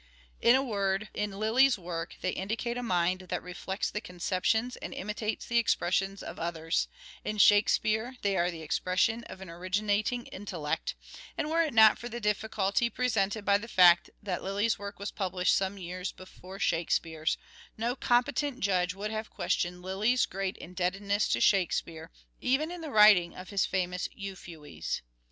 In a word, in Lyly's work they indicate a mind that reflects the conceptions and imitates the expressions of others ; in " Shakespeare " they are the expression of an originating intellect ; and were it not for the difficulty presented by the fact that Lyly's work was published some years before " Shakespeare's," no competent judge would have questioned Lyly's great indebtedness to " Shakespeare " even in the writing of his famous " Euphues."